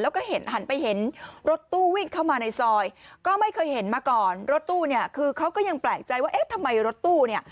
แล้วก็เห็นหันไปเห็นรถตู้วิ่งเข้ามาในซอยก็ไม่เคยเห็นมาก่อนรถตู้เนี่ยคือเขาก็ยังแปลกใจว่าเอ๊ะทำไมรถตู้เนี่ย